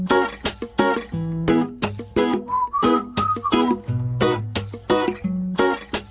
pameran safe animal